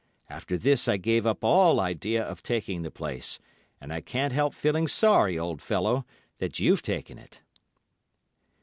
After this I gave up all idea of taking the place, and I can't help feeling sorry, old fellow, that you've taken it.